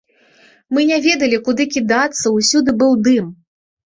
Мы не ведалі, куды кідацца, усюды быў дым.